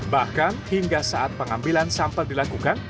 bahkan hingga saat pengambilan sampel dilakukan